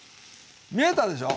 見えたでしょ？